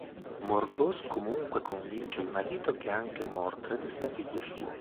Morgause comunque convince il marito che anche Mordred sia figlio suo.